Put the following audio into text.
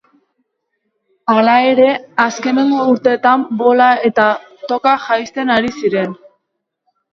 Hala ere, azkeneko urteetan bola eta toka jaisten ari ziren.